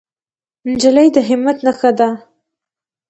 نجلۍ د همت نښه ده.